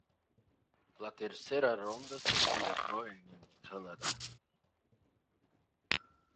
La tercera ronda se celebró en en Canadá.